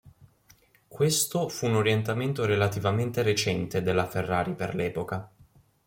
Questo fu un orientamento relativamente recente della Ferrari per l'epoca.